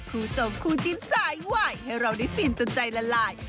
คุณผู้ชมคู่จิ้นสายไหวให้เราได้ฟินจนใจละลาย